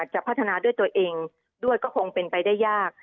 จะพัฒนาด้วยตัวเองด้วยก็คงเป็นไปได้ยาก